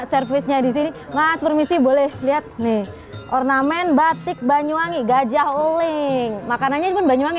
servisnya disini mas permisi boleh lihat nih ornamen batik banyuwangi gajah oleng makanannya